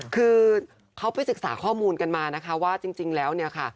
คือเขาไปศึกษาข้อมูลกันมานะคะว่าจริงแล้วเนี่ยค่ะ